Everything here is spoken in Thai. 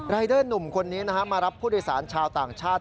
เดอร์หนุ่มคนนี้มารับผู้โดยสารชาวต่างชาติ